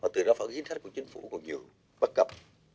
từ đó phần chính sách của chính phủ còn nhiều bất cập